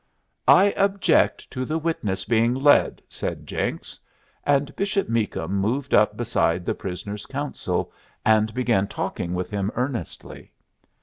"I object to the witness being led," said Jenks. And Bishop Meakum moved up beside the prisoners' counsel and began talking with him earnestly.